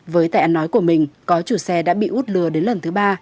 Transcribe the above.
với tại ăn nói của mình có chủ xe đã bị út lừa đến lần thứ ba